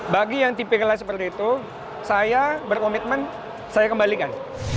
bagi yang tipe kelas seperti itu saya berkomitmen saya kembalikan